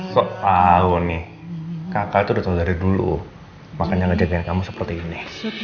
kok tau nih kakak tuh udah tau dari dulu makanya ngejadikan kamu seperti ini